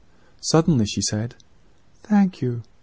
"Suddenly she said, 'Thank you!'